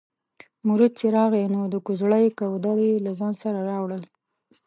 مرید چې راغی نو د کوزړۍ کودوړي یې له ځانه سره راوړل.